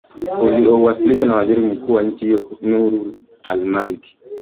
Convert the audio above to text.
uliowasilishwa na waziri mkuu wa nchi hiyo nuru al maliki